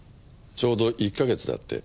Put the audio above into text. ちょうど１か月だって。